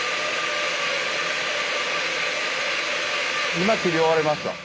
今切り終わりました。